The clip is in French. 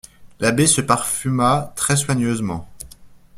L'abbé se parfuma très soigneusement.